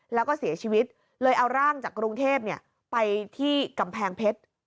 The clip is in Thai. แล้วก็เสียชีวิตเลยเอาร่างจากกรุงเทพไปที่กำแพงเพชร